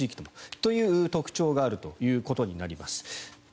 そういう特徴があるということになります。